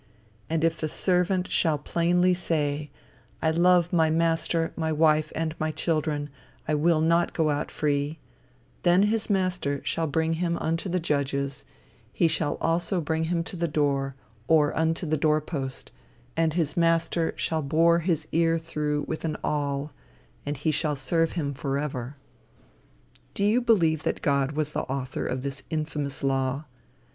And if the servant shall plainly say, I love my master, my wife, and my children; I will not go out free: Then his master shall bring him unto the judges; he shall also bring him to the door, or unto the door post: and his master shall bore his ear through with an awl: and he shall serve him forever." Do you believe that God was the author of this infamous law?